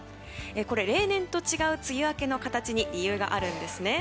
例年と違う梅雨明けの形に理由があるんですね。